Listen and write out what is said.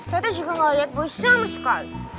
tata juga gak liat boy sama sekali